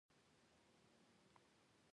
قیصر خپله لومړۍ مېرمن په پلمه طلاق کړه